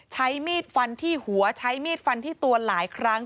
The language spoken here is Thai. ใช้มีดฟันที่หัวใช้มีดฟันที่ตัวหลายครั้ง